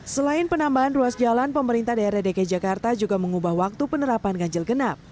selain penambahan ruas jalan pemerintah daerah dki jakarta juga mengubah waktu penerapan ganjil genap